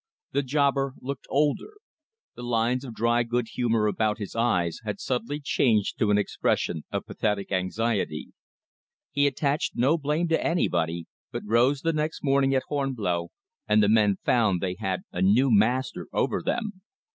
The jobber looked older. The lines of dry good humor about his eyes had subtly changed to an expression of pathetic anxiety. He attached no blame to anybody, but rose the next morning at horn blow, and the men found they had a new master over them.